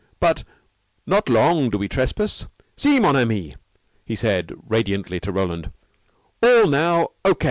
But not long do we trespass. See, mon ami," he said radiantly to Roland, "all now O.